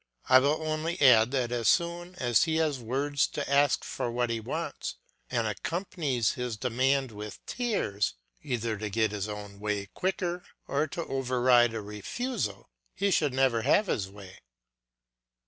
I will only add that as soon as he has words to ask for what he wants and accompanies his demands with tears, either to get his own way quicker or to over ride a refusal, he should never have his way.